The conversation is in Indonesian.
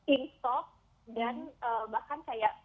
in stock dan bahkan kayak